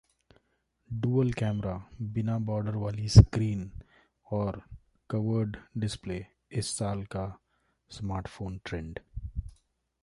dual camera, बिना border वाली screen और कर्व्ड डिस्प्ले, इस साल का स्मार्टफोन ट्रेंड